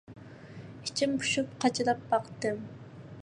ئىچىم پۇشۇپ قاچىلاپ باقتىم.